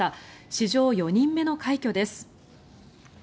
史上４人目の快挙です。